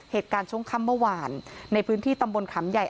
เหตุการณ์ช่วงค่ำเมื่อวานในพื้นที่ตำบลขำใหญ่